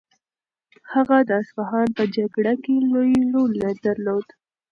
هغه د اصفهان په جګړه کې لوی رول درلود.